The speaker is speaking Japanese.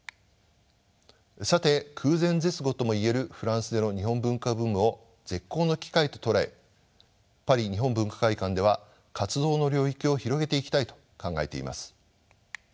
さて空前絶後とも言えるフランスでの日本文化ブームを絶好の機会と捉えパリ日本文化会館では活動の領域を広げていきたいと考えています。